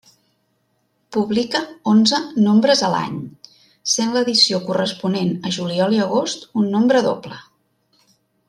Publica onze nombres a l'any, sent l'edició corresponent a juliol i agost un nombre doble.